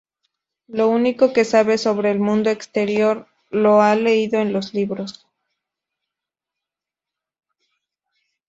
Lo único que sabe sobre el mundo exterior lo ha leído en los libros.